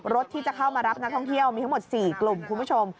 รถที่จะเข้ามารับนักท่องเที่ยวมีทั้งหมด๔กลุ่มคุณผู้ชม